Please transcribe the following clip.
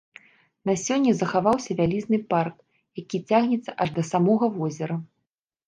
На сёння захаваўся вялізны парк, які цягнецца аж да самога возера.